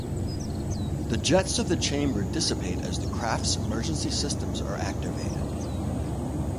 The jets of the chamber dissipate as the craft's emergency systems are activated.